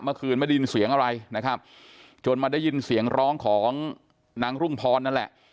เมื่อคืนไม่ได้ยินเสียงอะไรนะครับจนมาได้ยินเสียงร้องของนางรุ่งพรนั่นแหละ